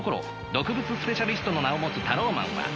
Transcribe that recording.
毒物スペシャリストの名を持つタローマンは。